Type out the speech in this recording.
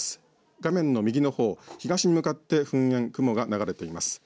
画面の右のほう、東に向かって噴煙、雲が流れています。